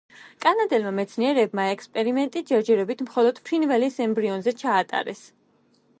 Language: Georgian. კანადელმა მეცნიერებმა ექსპერიმენტი ჯერჯერობით მხოლოდ ფრინველის ემბრიონზე ჩაატარეს.